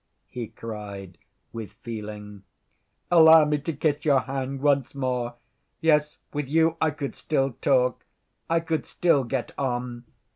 he cried, with feeling. "Allow me to kiss your hand once more. Yes, with you I could still talk, I could still get on.